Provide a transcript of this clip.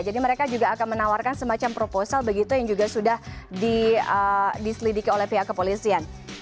jadi mereka juga akan menawarkan semacam proposal begitu yang juga sudah diselidiki oleh pihak kepolisian